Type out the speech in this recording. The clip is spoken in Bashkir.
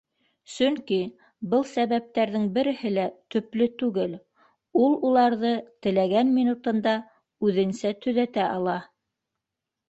Сөнки был сәбәптәрҙең береһе лә төплө түгел, ул уларҙы теләгән минутында үҙенсә төҙәтә ала.